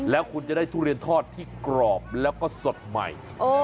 แล้วคุณจะได้ทุเรียนทอดที่กรอบแล้วก็สดใหม่